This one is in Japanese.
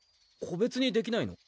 個別にできないの？